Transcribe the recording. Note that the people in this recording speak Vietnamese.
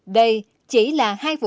đây chỉ là hai vụ cướp tài sản